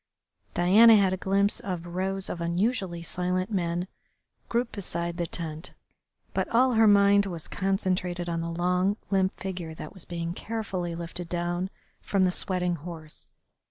Diana had a glimpse of rows of unusually silent men grouped beside the tent, but all her mind was concentrated on the long, limp figure that was being carefully lifted down from the sweating horse.